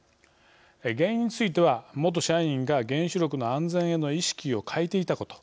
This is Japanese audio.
原因については元社員が原子力の安全への意識を欠いていたこと。